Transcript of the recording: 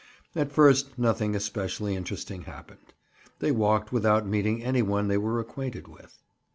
At first nothing especially interesting happened. They walked without meeting any one they were acquainted with.